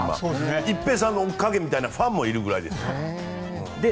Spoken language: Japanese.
一平さんのおかげというファンもいるぐらいです。